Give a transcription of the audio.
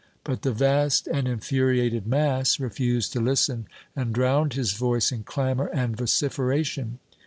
But the vast and infuriated mass refused to listen, and drowned his voice in clamor and vociferation.